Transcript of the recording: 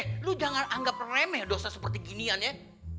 eh lu jangan anggap remeh dosa seperti ginian ya